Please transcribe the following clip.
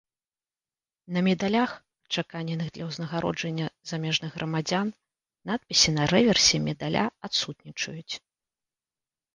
На медалях, адчаканеных для ўзнагароджання замежных грамадзян, надпісы на рэверсе медаля адсутнічаюць.